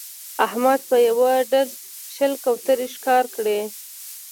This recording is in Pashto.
احمد په یوه ډز شل کوترې ښکار کړې